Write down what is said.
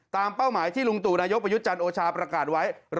เป้าหมายที่ลุงตู่นายกประยุทธ์จันทร์โอชาประกาศไว้